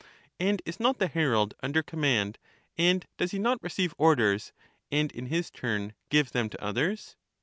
And is not the herald under command, and does he not receive orders, and in his turn give them to others